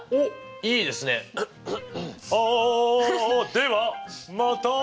ではまた！